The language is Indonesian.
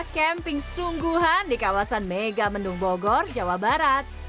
camping sungguhan di kawasan mega mendung bogor jawa barat